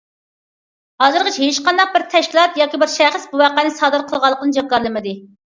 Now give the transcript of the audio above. ھازىرغىچە ھېچقانداق بىر تەشكىلات ياكى شەخس بۇ ۋەقەنى سادىر قىلغانلىقىنى جاكارلىمىدى.